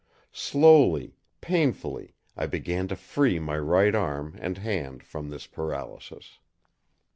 Slowly, painfully, I began to free my right arm and hand from this paralysis.